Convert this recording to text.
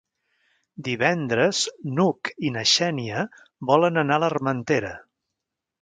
Divendres n'Hug i na Xènia volen anar a l'Armentera.